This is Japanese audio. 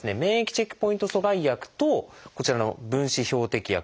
チェックポイント阻害薬とこちらの分子標的薬